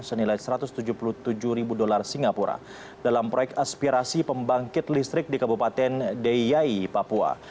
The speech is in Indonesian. senilai satu ratus tujuh puluh tujuh ribu dolar singapura dalam proyek aspirasi pembangkit listrik di kabupaten deyai papua